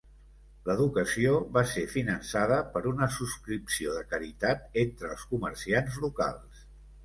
L'educació va ser finançada per una subscripció de caritat entre els comerciants locals.